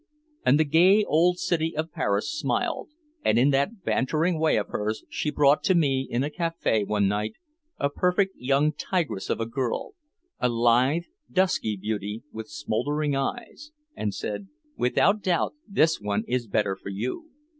And the gay old city of Paris smiled, and in that bantering way of hers she brought to me in a café one night a perfect young tigress of a girl, a lithe, dusky beauty with smouldering eyes, and said: "Without doubt this one is better for you.